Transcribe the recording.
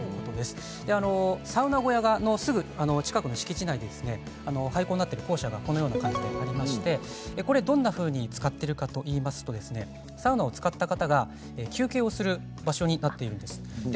サウナ小屋のすぐ近くの敷地内に廃校になっている校舎がありましてどんなふうに使っているかといいますとサウナを使った方が休憩をする場所になっているんです。